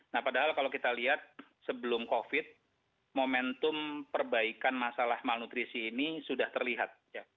nah padahal kalau kita lihat sebelum covid momentum perbaikan masalah malnutrisi ini sudah terlihat